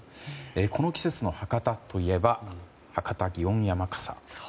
この季節の博多といえば博多祇園山笠。